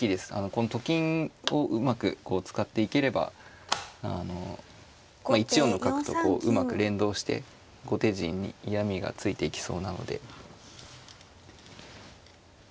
このと金をうまくこう使っていければ１四の角とうまく連動して後手陣に嫌みがついていきそうなので。